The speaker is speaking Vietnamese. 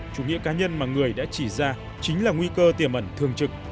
chủ nghĩa cá nhân mà người đã chỉ ra chính là nguy cơ tiềm ẩn thường trực